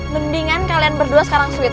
mendingan kalian berdua sekarang sulit